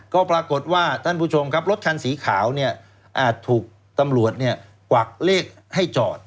ก็ปรากฏว่าท่านผู้ชมครับรถคันสีขาวเนี่ยถูกตำรวจกวักเลขให้จอด